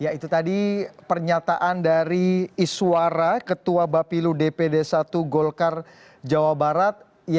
ya itu tadi pernyataan dari iswara ketua bapilu dpd satu golkar jawa barat